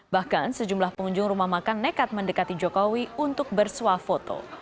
bahkan sejumlah pengunjung rumah makan nekat mendekati jokowi untuk bersuah foto